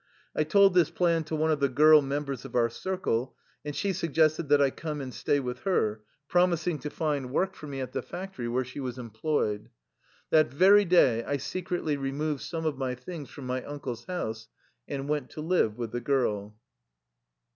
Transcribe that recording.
I told this plan to one of the girl members of our circle, and she suggested that I come and stay with her, promising to find work for me at the factory where she was em ployed. That very day I secretly removed some of my things from my uncle's house and went to live with the girl.